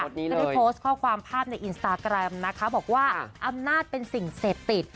ก็ได้โพสต์ข้อความภาพในอินสตาแกรมนะคะบอกว่าอำนาจเป็นสิ่งเสพติด